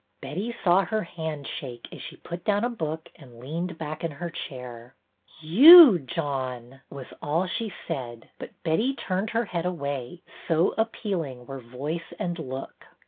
Betty saw her hand shake as she put down a book and leaned back in her chair. ''You, John!" was all she said, but Betty turned her head away, so appealing were voice and look.